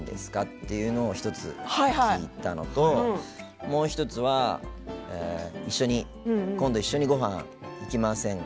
っていうのを１つ、聞いたのともう１つは今度一緒にごはん行きませんか？